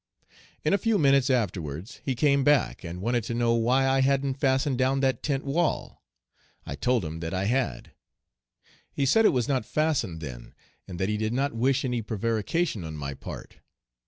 "In a few minutes afterwards he came back, and wanted to know why I hadn't fastened down that tent wall. I told him that I had. "He said it was not fastened then, and that he did not wish any prevarication on my part.